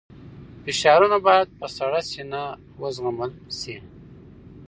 فشارونه باید په سړه سینه وزغمل شي.